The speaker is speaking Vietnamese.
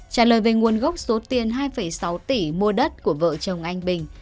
trả lời về nguồn gốc số tiền hai sáu tỷ mua đất của vợ chồng anh bình